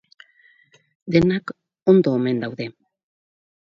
Denak ondo omen daude.